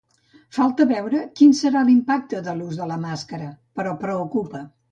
Falta veure quin serà l’impacte de l’ús de la màscara, però preocupa.